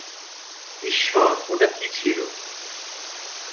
ঈশ্বর, ওটা কী ছিল?